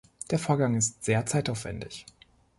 Der Vorgang ist sehr zeitaufwändig.